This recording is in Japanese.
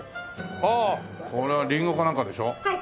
あっこれはリンゴかなんかでしょ？はい。